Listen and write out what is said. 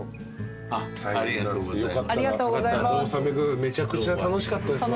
めちゃくちゃ楽しかったですわ。